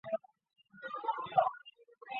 拉巴蒂。